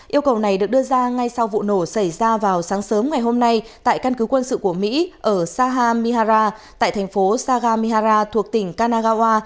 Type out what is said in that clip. yêu cầu này được đưa ra ngay sau vụ nổ xảy ra vào sáng sớm ngày hôm nay tại căn cứ quân sự của mỹ ở saha mihara tại thành phố sagamihara thuộc tỉnh kanagawa